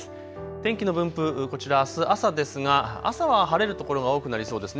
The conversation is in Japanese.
天気の分布、あす朝ですが朝は晴れる所が多くなりそうです。